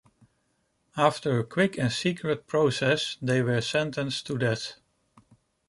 After a quick and secret process, they were sentenced to death.